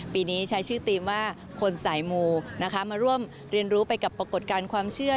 ปีนี้ใช้ชื่อธีมว่าคนสายมูนะคะมาร่วมเรียนรู้ไปกับปรากฏการณ์ความเชื่อ